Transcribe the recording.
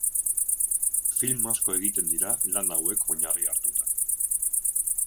Film asko egin dira lan hauek oinarri hartuta.